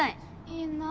いいな。